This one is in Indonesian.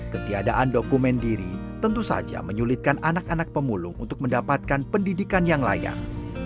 ketiadaan dokumen diri tentu saja menyulitkan anak anak pemulung untuk mendapatkan pendidikan yang layak